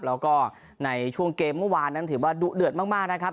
แล้วก็ในช่วงเกมเมื่อวานนั้นถือว่าดุเดือดมากนะครับ